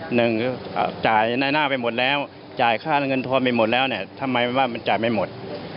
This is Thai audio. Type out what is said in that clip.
หนึ่งจ่ายในหน้าไปหมดแล้วจ่ายค่าเงินทอนไปหมดแล้วเนี่ยทำไมว่ามันจ่ายไม่หมด